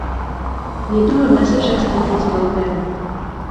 Jednoho dne se však stane něco velkého.